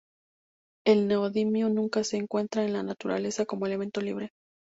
El neodimio nunca se encuentra en la naturaleza como elemento libre.